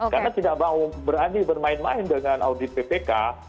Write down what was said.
karena tidak mau berani bermain main dengan audit bpk